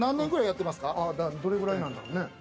どれぐらいなんだろうね。